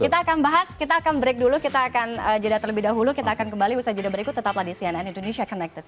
kita akan bahas kita akan break dulu kita akan jeda terlebih dahulu kita akan kembali usaha jeda berikut tetaplah di cnn indonesia connected